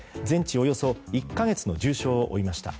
およそ１か月の重傷を負いました。